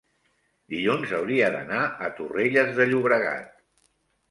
dilluns hauria d'anar a Torrelles de Llobregat.